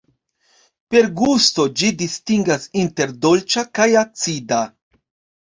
Per gusto ĝi distingas inter dolĉa kaj acida.